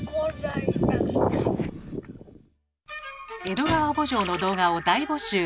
「江戸川慕情」の動画を大募集。